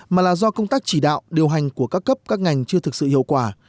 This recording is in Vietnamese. mà là do công tác chỉ đạo điều hành của các cấp các ngành chưa thực sự hiệu quả